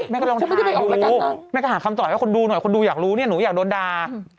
เม่ก็ลองหาคำตอบว่าคนดูหน่อยคนดูอยากรู้นี่หนูอยากโดนดา